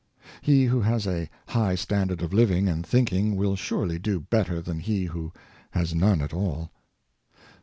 He who has a high standard of living and thinking will certainly do better than he who has none at all.